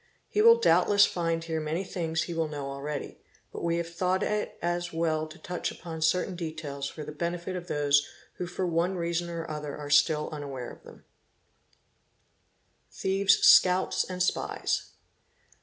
He will doubtless find here many things he ~ knows already, but we have thought it as well to touch upon certain — details for the benefit of those who for one reason or other are still — unaware of them 1085 1098), Section ii.—Thieves' Scouts and Spies.